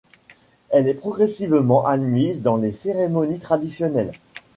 Elle est progressivement admise dans les cérémonies traditionnelles.